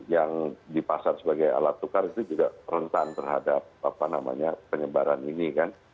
yang dipasar sebagai alat tukar itu juga rentan terhadap penyebaran ini kan